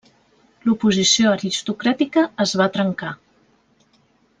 L'oposició aristocràtica es va trencar.